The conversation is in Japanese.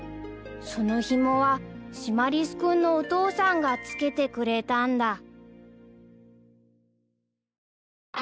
［そのひもはシマリス君のお父さんが着けてくれたんだ］